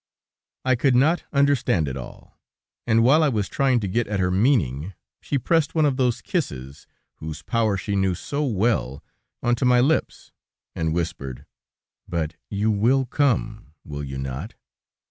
I could not understand it all, and while I was trying to get at her meaning, she pressed one of those kisses, whose power she knew so well, onto my lips, and whispered: "But you will come, will you not?"